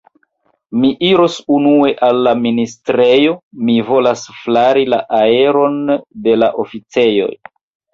Mi iros unue al la ministrejo; mi volas flari la aeron de la oficejoj.